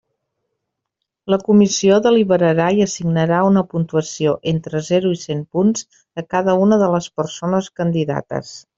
La comissió deliberarà i assignarà una puntuació entre zero i cent punts a cada una de les persones candidates.